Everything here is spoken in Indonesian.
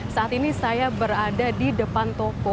saat ini saya berada di depan toko